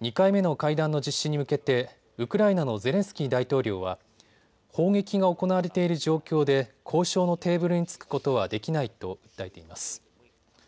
２回目の会談の実施に向けてウクライナのゼレンスキー大統領は砲撃が行われている状況で交渉のテーブルに着くことはできないと訴えています。